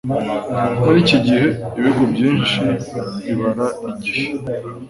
Muri ikigihe, ibihugu byinshi bibara igihe